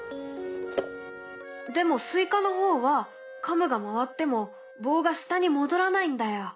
でもスイカの方はカムが回っても棒が下に戻らないんだよ。